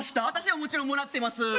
私ももちろんもらってます